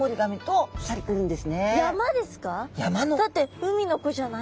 だって海の子じゃない？